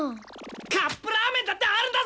カップラーメンだってあるんだぞ。